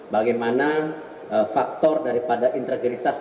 bagaimana faktor daripada integritasnya